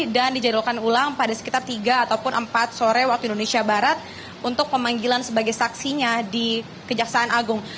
dan dijadwalkan ulang pada sekitar tiga atau empat sore waktu indonesia barat untuk pemanggilan sebagai saksinya di kejaksaan agung